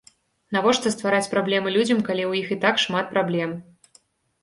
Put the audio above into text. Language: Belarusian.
Навошта ствараць праблемы людзям, калі ў іх і так шмат праблем?